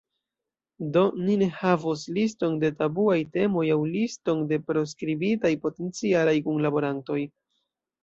Do, ni ne havos liston de tabuaj temoj aŭ liston de proskribitaj potencialaj kunlaborantoj.